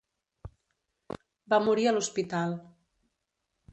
Va morir a l'hospital.